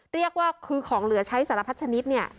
เรียกว่าคือของเหลือใช้สารพัดชนิดเนี่ย